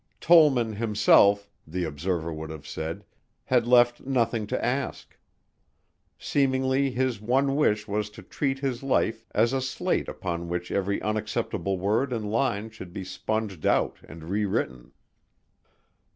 Tollman himself, the observer would have said, had left nothing to ask. Seemingly his one wish was to treat his life as a slate upon which every unacceptable word and line should be sponged out and rewritten.